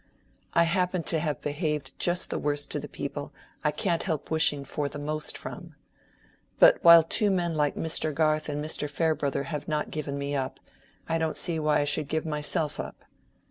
"I happen to have behaved just the worst to the people I can't help wishing for the most from. But while two men like Mr. Garth and Mr. Farebrother have not given me up, I don't see why I should give myself up."